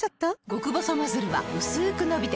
極細ノズルはうすく伸びて